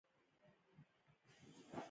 مالي بازار د تبادلې یوه لویه شبکه ده.